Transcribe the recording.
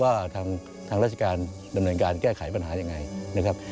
ว่าทางราชการดำเนินการแก้ไขปัญหายังไงนะครับ